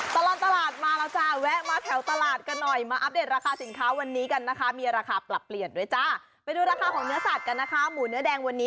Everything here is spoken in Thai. ตลอดตลาดมาแล้วจ้าแวะมาแถวตลาดกันหน่อยมาอัปเดตราคาสินค้าวันนี้กันนะคะมีราคาปรับเปลี่ยนด้วยจ้าไปดูราคาของเนื้อสัตว์กันนะคะหมูเนื้อแดงวันนี้